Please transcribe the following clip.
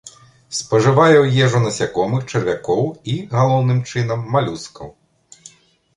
Спажывае ў ежу насякомых, чарвякоў і, галоўным чынам, малюскаў.